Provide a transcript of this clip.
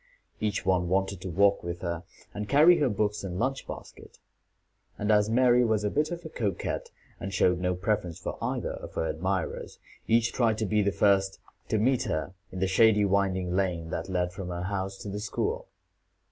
Each one wanted to walk with her, and carry her books and lunch basket; and as Mary was a bit of a coquette, and showed no preference for either of her admirers, each tried to be the first to meet her in the shady winding lane that led from her house to the school.